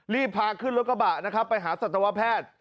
รีบพาขึ้นรถกระบะนะครับไปหาสัตวแพทย์